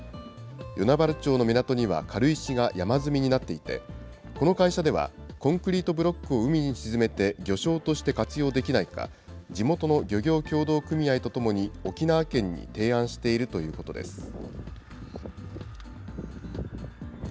与那原町の港には軽石が山積みになっていて、この会社では、コンクリートブロックを海に沈めて魚礁として活用できないか、地元の漁業協同組合と共に、沖縄県に提案しているということです。